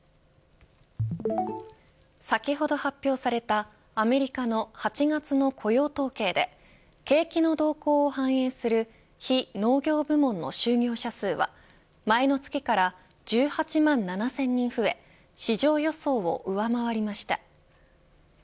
先ほど発表されたアメリカの８月の雇用統計で景気の動向を反映する非農業部門の就業者数は前の月から１８万７０００人増え市場予想を上回りました。